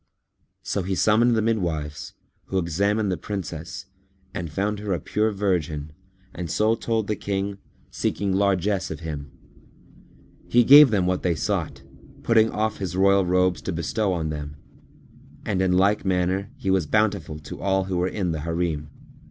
So he summoned the midwives, who examined the Princess and found her a pure virgin and so told the King, seeking largesse of him. He gave them what they sought, putting off his royal robes to bestow on them, and in like manner he was bountiful to all who were in the Harim.